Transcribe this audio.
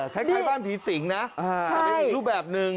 คล้ายบ้านผีสิงนะแต่เป็นอีกรูปแบบหนึ่ง